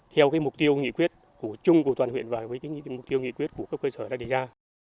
theo mục tiêu nghị quyết của chung của toàn huyện và với mục tiêu nghị quyết của cấp cơ sở đã đề ra